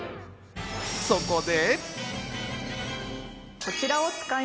そこで。